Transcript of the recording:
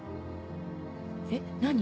えっ何？